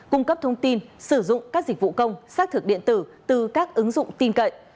cung cấp thông tin sử dụng các dịch vụ công xác thực điện tử từ các ứng dụng tin cậy